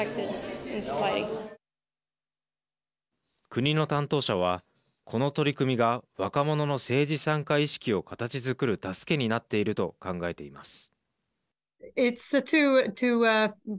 国の担当者はこの取り組みが若者の政治参加意識を形づくる助けになっていると考えています。